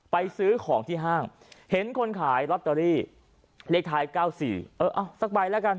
ซื้อของที่ห้างเห็นคนขายลอตเตอรี่เลขท้าย๙๔เออเอาสักใบแล้วกัน